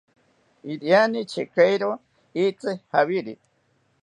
Iriani chekairo itzi javiri